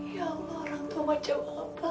ya allah orang tua macam apa